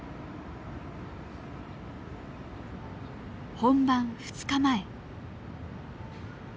本番２日前。